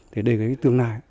thì đây là cái tương lai